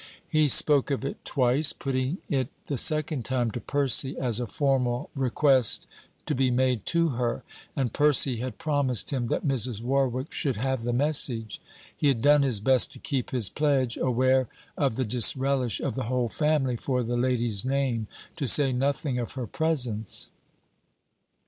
He spoke of it twice, putting it the second time to Percy as a formal request to be made to her, and Percy had promised him that Mrs. Warwick should have the message. He had done his best to keep his pledge, aware of the disrelish of the whole family for the lady's name, to say nothing of her presence.